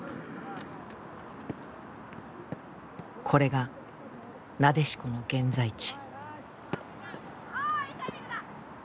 これがなでしこの現在地。